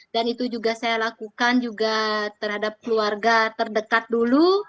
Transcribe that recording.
dan itu juga saya lakukan juga terhadap keluarga terdekat dulu